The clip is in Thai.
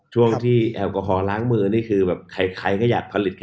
ในมือที่แอลกอฮอล์ล้างมือนี่คือใครใครอยากผลิต